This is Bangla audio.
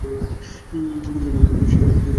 প্রতিটি গ্রুপের শীর্ষ দুটি দল কোয়ার্টার ফাইনালে উঠে।